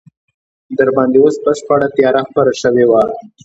دباندې اوس بشپړه تیاره خپره شوې وه.